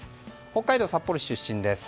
北海道札幌市出身です。